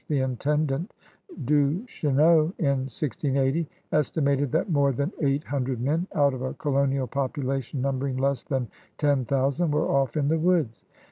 The intendant Duches neau, in 1680, estimated that more than eight hundred men, out of a colonial population number ing less than ten thousand, were off in the woods.